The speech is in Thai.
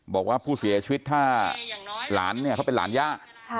บอกว่าผู้เสียชีวิตถ้าหลานเนี่ยเขาเป็นหลานย่า